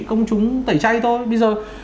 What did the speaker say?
công chúng tẩy chay thôi bây giờ